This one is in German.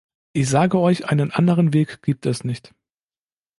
Ich sage euch, einen anderen Weg gibt es nicht!